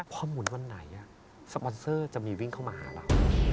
พอหมุนวันไหนสปอนเซอร์จะมีวิ่งเข้ามาหาเรา